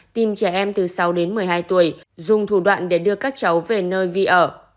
tìm trẻ em từ sáu đến một mươi hai tuổi dùng thủ đoạn để đưa các cháu về nơi vi ở